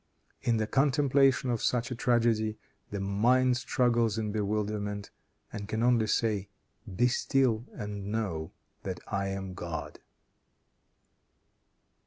In the contemplation of such a tragedy, the mind struggles in bewilderment, and can only say, "Be still and know that I am God."